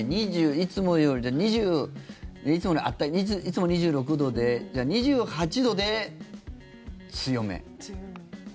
いつもより２０いつも２６度でじゃあ、２８度で強め。